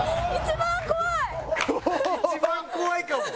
一番怖いかも。